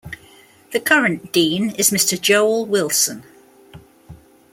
The current Dean is Mr Joel Wilson.